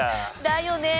だよね！